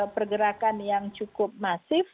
pergerakan yang cukup masif